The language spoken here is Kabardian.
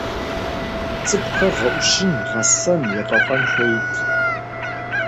Цӏыкӏухэр гъэӀущын, гъэсэн, елӀэлӀэн хуейт.